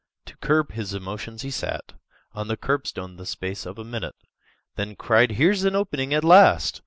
To curb his emotions, he sat On the curbstone the space of a minute, Then cried, "Here's an opening at last!"